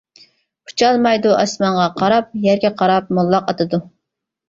ئۇچالمايدۇ ئاسمانغا قاراپ، يەرگە قاراپ موللاق ئاتىدۇ.